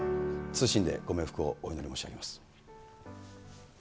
謹んでご冥福をお祈り申し上げます。